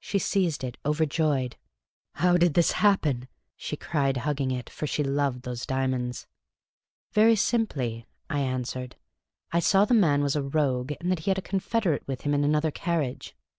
She seized it, overjoyed. *' How did this happen ?" she cried, hugging it, for she loved those diamonds. Very simply," I answered. " I saw the man was a <( 30 Miss Cayley's Adventures rogue, and that he had a confederate with him in another carriage.